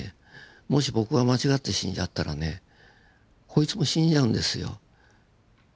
もし僕が間違って死んじゃったらねこいつも死んじゃうんですよ。